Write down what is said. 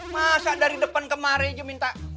masa dari depan kemarin aja minta upah sih